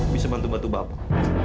bisa bantu bantu bapak